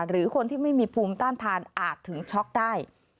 หรือคนที่ไม่มีภูมิต้านทานอาจถึงช็อกได้